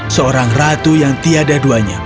seorang ratu yang tiada duanya